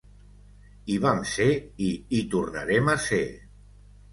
Hi vam ser i hi tornarem a ser!